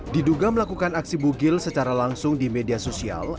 diduga melakukan aksi bugil secara langsung di media sosial